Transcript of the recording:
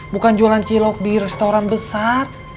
bukan jualan cilok di restoran besar